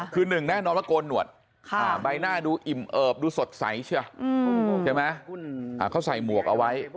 คือหนึ่งแน่นอนว่าโกนหนวดใบหน้าดูอิ่มเอิบดูสดใสใช่ไหมเขาใส่หมวกเอาไว้